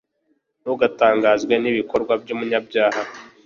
ntugatangazwe n'ibikorwa by'umunyabyaha